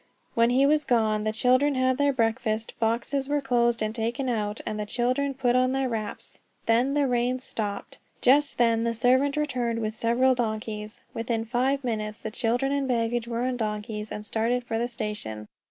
While he was gone the children had their breakfast, boxes were closed and taken out, and the children put on their wraps. Then the rain stopped! Just then the servant returned with several donkeys. Within five minutes, children and baggage were on donkeys, and started for the station.